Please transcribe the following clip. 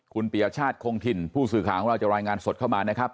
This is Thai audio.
คุณปียชาติคงถิ่นผู้สื่อข่าวของเราจะรายงานสดเข้ามานะครับ